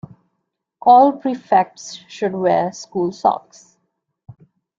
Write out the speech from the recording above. All prefects should wear school socks.